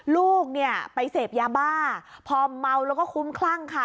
ลูกเนี่ยไปเสพยาบ้าพอเมาแล้วก็คุ้มคลั่งค่ะ